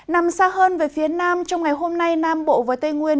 nằm xa hơn về phía nam trong ngày hôm nay nam bộ và tây nguyên